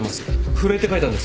震えて書いたんです。